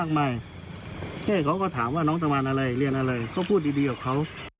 คลิปหนึ่งประมาณ๓นาที๔นาทีนะคะ